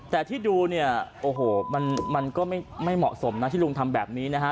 แต่ที่ดูเนี่ยโอ้โหมันก็ไม่เหมาะสมนะที่ลุงทำแบบนี้นะฮะ